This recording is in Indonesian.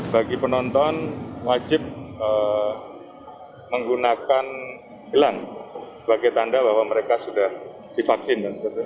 bagi penonton wajib menggunakan gelang sebagai tanda bahwa mereka sudah divaksin